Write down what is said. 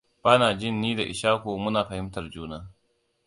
Bana jin ni da Ishaku muna fahimtar juna.